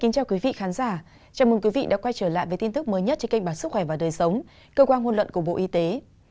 chào mừng quý vị đã quay trở lại với tin tức mới nhất trên kênh bản sức khỏe và đời sống cơ quan hôn luận của bộ y tế